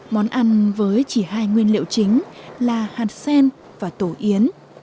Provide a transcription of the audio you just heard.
món ăn với chỉ hai nguyên liệu chính là hạt sen và tổ yến